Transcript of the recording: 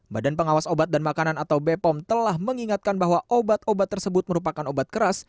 badan pengawas obat dan makanan atau bepom telah mengingatkan bahwa obat obat tersebut merupakan obat keras